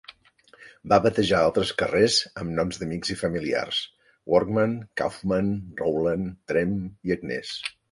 Va batejar altres carrers amb noms d'amics i familiars: Workman, Kauffman, Rowland, Tremp i Agnes.